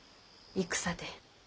戦で？